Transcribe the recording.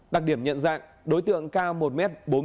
đặc điểm nhận dạng đối tượng cao một m bốn mươi